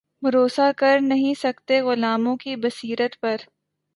بھروسا کر نہیں سکتے غلاموں کی بصیرت پر